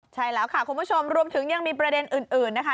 ใช่แล้วค่ะคุณผู้ชมรวมถึงยังมีประเด็นอื่นนะคะ